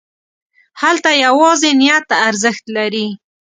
هلته یوازې نیت ارزښت لري.